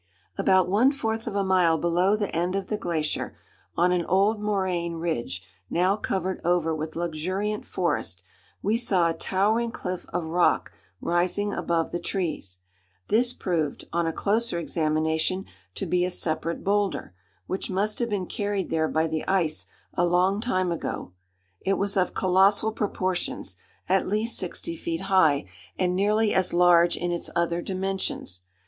About one fourth of a mile below the end of the glacier, on an old moraine ridge now covered over with luxuriant forest, we saw a towering cliff of rock rising above the trees. This proved, on a closer examination, to be a separate boulder, which must have been carried there by the ice a long time ago. It was of colossal proportions, at least sixty feet high, and nearly as large in its other dimensions.